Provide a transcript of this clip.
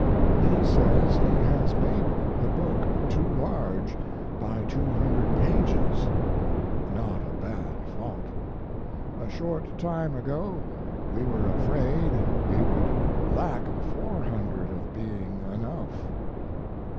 He says he has made the book too large by 200 pages not a bad fault. A short time ago we were afraid we would lack 400 of being enough.